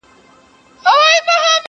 د غرمې پر مهال ږغ د نغارو سو؛